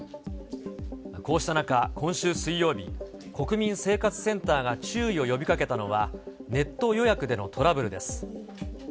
こうした中、今週水曜日、国民生活センターが注意を呼びかけたのは、ネット予約でのトラブルです。